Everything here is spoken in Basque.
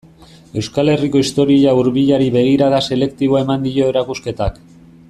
Euskal Herriko historia hurbilari begirada selektiboa eman dio erakusketak.